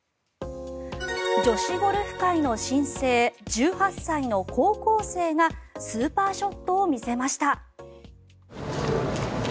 女子ゴルフ界の新星１８歳の高校生がスーパーショットを見せました。